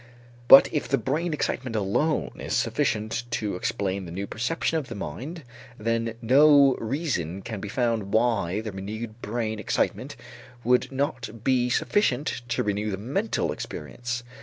But if the brain excitement alone is sufficient to explain the new perception in the mind, then no reason can be found why the renewed brain excitement would not be sufficient to renew the mental experience.